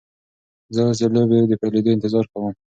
زه اوس د لوبې د پیلیدو انتظار کوم.